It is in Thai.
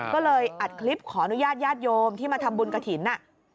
ก็เลยอัดคลิปขออนุญาตญาติโยมที่มาทำบุญกระถิ่น